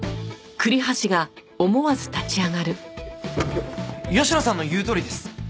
よ吉野さんの言うとおりです。